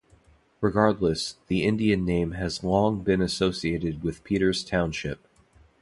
Regardless, the Indian name has long-been associated with Peters Township.